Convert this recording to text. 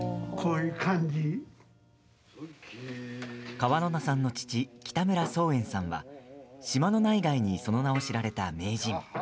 川野名さんの父北村宗演さんは島の内外にその名を知られた名人。